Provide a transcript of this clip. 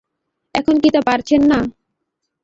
এখন কি তা পারছেন না?